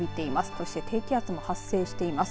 そして低気圧も発生しています。